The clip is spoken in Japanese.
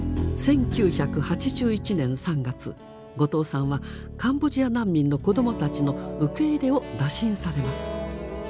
１９８１年３月後藤さんはカンボジア難民の子どもたちの受け入れを打診されます。